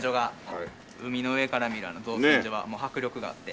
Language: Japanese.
海の上から見る造船所は迫力があって。